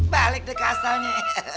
balik deh kasahnya